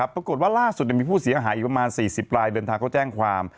ปรากฏว่าล่าสุดมีผู้เสียหายอีกประมาณ๔๐รายเดินทางเขาแจ้งความ